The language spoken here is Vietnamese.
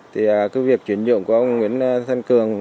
thì cái việc chuyển nhượng của ông nguyễn thanh cường